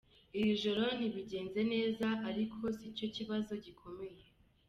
Iri joro ntibigenze neza arikop si co kibazo gikomeye.